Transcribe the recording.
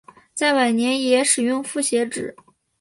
在晚年也使用复写纸。